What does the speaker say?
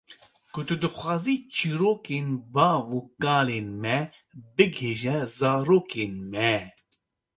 Ku tu dixwazî çirokên bav û kalên me bigihîje zarokên me.